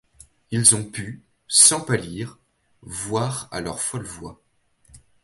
Ils ont pu, sans pâlir, voir à leur folle voix